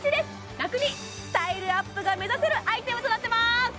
ラクにスタイルアップが目指せるアイテムとなってます！